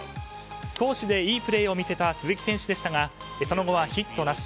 攻守でいいプレーを見せた鈴木選手ですがその後はヒットなし。